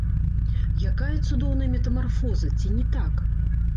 Якая цудоўная метамарфоза, ці не так?